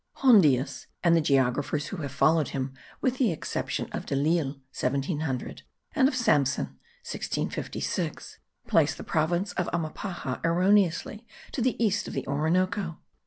Hondius and the geographers who have followed him, with the exception of De L'Isle (1700), and of Sanson (1656), place the province of Amapaja erroneously to the east of the Orinoco.